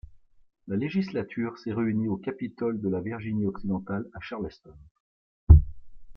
La législature se réunit au capitole de la Virginie-Occidentale à Charleston.